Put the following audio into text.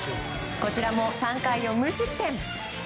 こちらも３回を無失点。